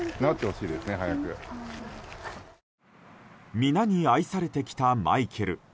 皆に愛されてきたマイケル。